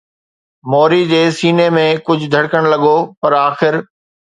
موري جي سيني ۾ ڪجهه ڌڙڪڻ لڳو، پر آخر